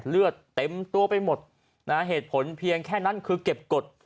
เลือดเต็มตัวไปหมดนะฮะเหตุผลเพียงแค่นั้นคือเก็บกฎ